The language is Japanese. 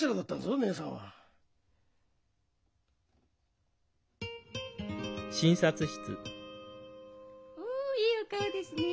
おいいお顔ですねえ。